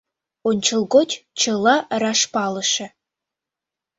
Ончылгоч чыла раш палыше